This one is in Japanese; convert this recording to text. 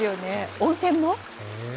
温泉も？